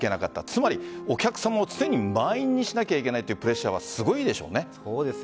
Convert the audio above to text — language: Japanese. つまり、お客さんも常に満員にしなければいけないプレッシャーはすごいでしょうね。